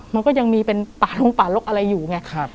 มันก็ยังมีเป็นป่าลงป่าลกอะไรอยู่ไง